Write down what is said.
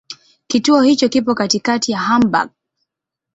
Kituo hicho kipo katikati ya Hamburg.